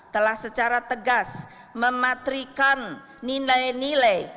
telah secara tegas mematrikan nilai nilai